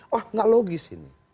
wah tidak logis ini